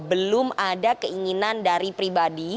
belum ada keinginan dari pribadi